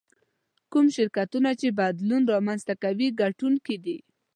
کوم شرکتونه چې بدلون رامنځته کوي ګټونکي دي.